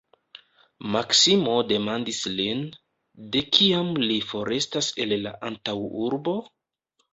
Maksimo demandis lin, de kiam li forestas el la antaŭurbo?